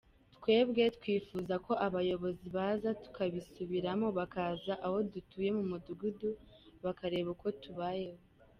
Twebwe twifuza ko abayobozi baza tukabisubiramo, bakaza aho dutuye mu mudugudu bakareba uko tubayeho”.